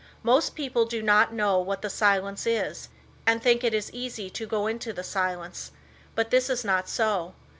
Most people do not know what the silence is and think it is easy to go into the silence, but this is not so.